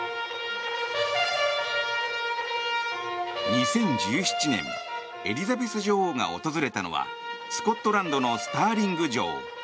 ２０１７年エリザベス女王が訪れたのはスコットランドのスターリング城。